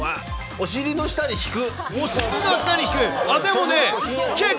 お尻の下に敷く？